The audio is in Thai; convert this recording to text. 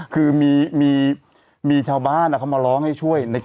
คือมีชาวบ้านเขามาร้องให้ช่วย